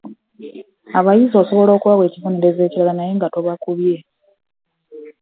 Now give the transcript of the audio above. Abayizi osobola okubawa ekibonerezo ekirala wabula nga tobakubye.